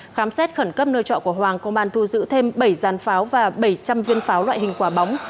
khám xét khẩn cấp nơi trọ của hoàng công an thu giữ thêm bảy giàn pháo và bảy trăm linh viên pháo loại hình quả bóng